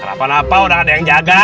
kenapa napa udah ada yang jaga